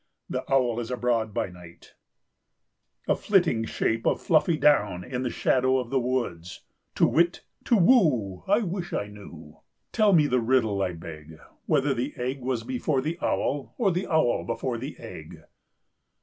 The Owl is abroad by night— "A flitting shape of fluffy down In the shadow of the woods, 'Tu wit! tu whoo!' I wish I knew; Tell me the riddle, I beg— Whether the egg was before the Owl Or the Owl before the egg?"